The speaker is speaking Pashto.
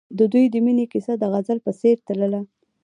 د دوی د مینې کیسه د غزل په څېر تلله.